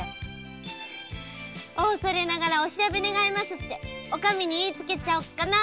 「恐れながらお調べ願います」ってお上に言いつけちゃおうかな。